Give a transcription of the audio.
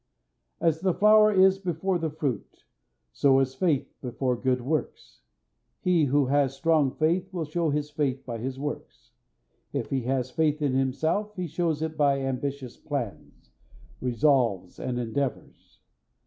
As the flower is before the fruit, so is faith before good works. He who has strong faith will show his faith by his works. If he has faith in himself he shows it by ambitious plans, resolves, and endeavors.